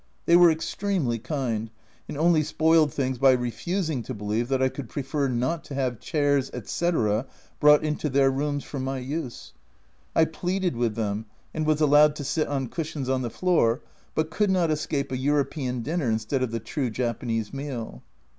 They were extremely kind, and only spoiled things by refusing to believe that I could prefer not to have chairs, etc. brought into their rooms for my use. I pleaded with them, and was allowed to sit on cushions on the floor, but could not escape a European dinner instead of the true Japanese meal.